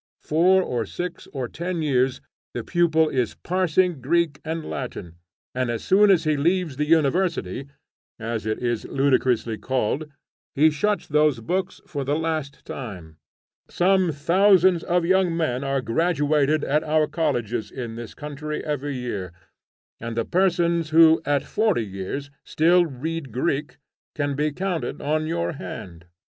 Four, or six, or ten years, the pupil is parsing Greek and Latin, and as soon as he leaves the University, as it is ludicrously called, he shuts those books for the last time. Some thousands of young men are graduated at our colleges in this country every year, and the persons who, at forty years, still read Greek, can all be counted on your hand.